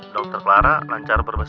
dokter clara lancar berbesar